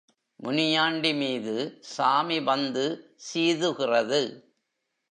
முனியாண்டிமீது சாமி வந்து சீது கிறது.